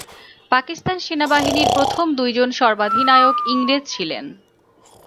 পাকিস্তান সেনাবাহিনীর প্রথম দুইজন সর্বাধিনায়ক ইংরেজ ছিলেন।